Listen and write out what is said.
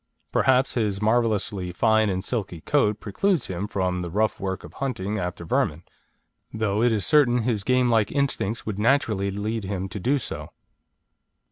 Perhaps his marvellously fine and silky coat precludes him from the rough work of hunting after vermin, though it is certain his game like instincts would naturally lead him to do so.